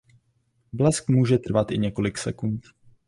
Blesk může trvat i několik sekund.